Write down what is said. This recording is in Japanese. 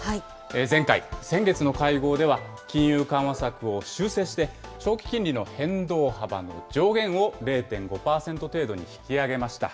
前回、先月の会合では、金融緩和策を修正して、長期金利の変動幅の上限を０．５％程度に引き上げました。